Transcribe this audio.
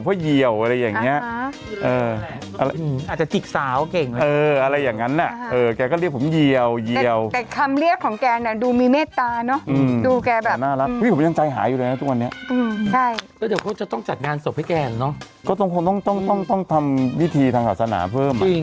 โปรดติดตามันทุกวันสวัสดีครับ